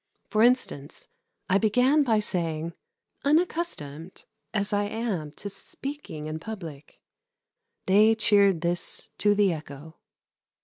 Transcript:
For instance, I began by saying: "Unaccustomed as I am to speaking in public ." They cheered this to the echo.